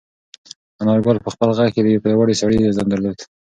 انارګل په خپل غږ کې د یو پیاوړي سړي عزم درلود.